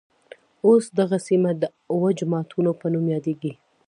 اوس دغه سیمه د اوه جوماتونوپه نوم يادېږي.